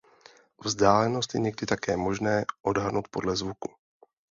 Vzdálenost je někdy také možné odhadnout podle zvuku.